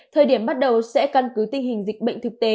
thời điểm bắt đầu sẽ căn cứ tình hình dịch bệnh thực tế